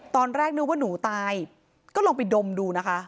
ตอนแรกนึกว่าหนูตายก็ลองไปดมดูนะคะ